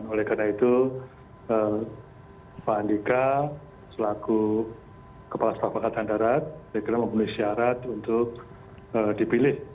oleh karena itu pak andika selaku kepala staf angkatan darat saya kira memenuhi syarat untuk dipilih